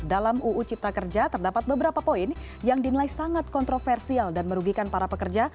dalam uu cipta kerja terdapat beberapa poin yang dinilai sangat kontroversial dan merugikan para pekerja